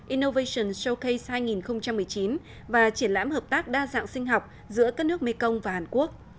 innovation showcase hai nghìn một mươi chín và triển lãm hợp tác đa dạng sinh học giữa các nước mekong và hàn quốc